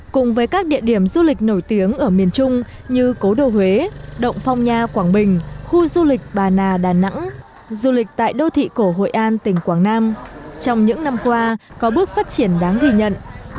cùng với các địa điểm du lịch nổi tiếng ở miền trung như cố đô huế động phong nha quảng bình khu du lịch bà nà đà nẵng du lịch tại đô thị cổ hội an tỉnh quảng nam trong những năm qua có bước phát triển đáng ghi nhận